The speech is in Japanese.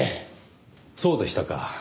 そうでしたか。